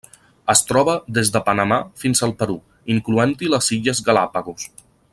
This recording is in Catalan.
Es troba des de Panamà fins al Perú, incloent-hi les Illes Galápagos.